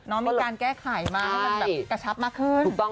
มีการแก้ไขมาให้มันแบบกระชับมากขึ้น